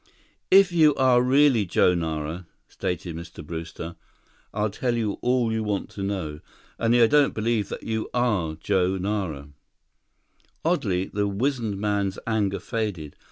"If you are really Joe Nara," stated Mr. Brewster, "I'll tell you all you want to know. Only I don't believe that you are Joe Nara." Oddly, the wizened man's anger faded.